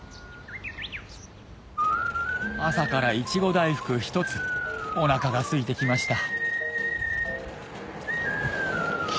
朝からいちご大福１つおなかがすいてきました